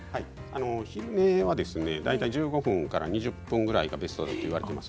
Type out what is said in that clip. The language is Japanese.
昼寝はですね大体１５分から２０分ぐらいがベストだと言われています。